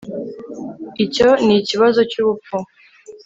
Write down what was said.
icyo ni ikibazo cyubupfu